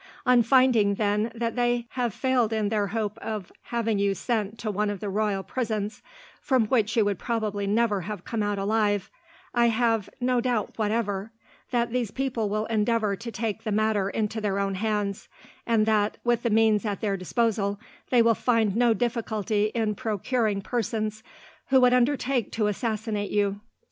"On finding, then, that they have failed in their hope of having you sent to one of the royal prisons, from which you would probably never have come out alive, I have no doubt whatever that these people will endeavour to take the matter into their own hands, and that, with the means at their disposal, they will find no difficulty in procuring persons who would undertake to assassinate you.